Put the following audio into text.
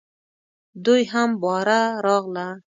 دوی هم باره راغله .